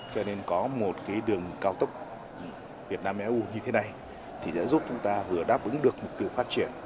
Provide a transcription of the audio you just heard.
cho nên có một đường cao tốc việt nam eu như thế này thì sẽ giúp chúng ta vừa đáp ứng được mục tiêu phát triển